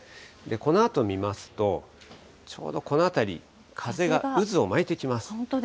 このあと見ますと、ちょうどこの辺り、風が渦を巻いてきます。